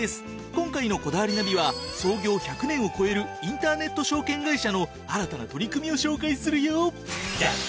今回の『こだわりナビ』は創業１００年を超えるインターネット証券会社の新たな取り組みを紹介するよ！